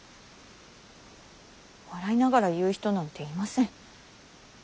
笑いながら言う人なんていません。